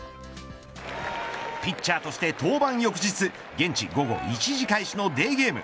ピッチャーとして登板翌日現地午後１時開始のデーゲーム。